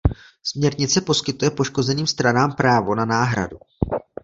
Směrnice poskytuje poškozeným stranám právo na náhradu.